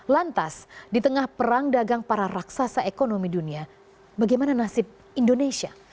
lantas di tengah perang dagang para raksasa ekonomi dunia bagaimana nasib indonesia